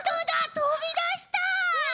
とびだした！